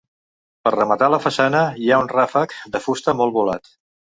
Per rematar la façana hi ha un ràfec de fusta molt volat.